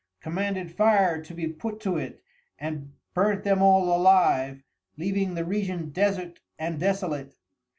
commanded Fire to be put to it and burnt them all alive, leaving the Region desert and desolate.